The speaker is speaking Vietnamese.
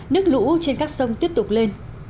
nước lũ trên các sông tiếp tục đổ về